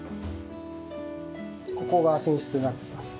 ここが寝室になってますね。